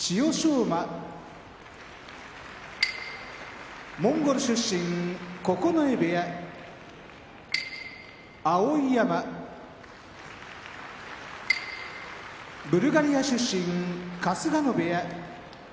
馬モンゴル出身九重部屋碧山ブルガリア出身春日野部屋